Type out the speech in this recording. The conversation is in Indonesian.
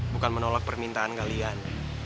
bukan menolak permintaan kalian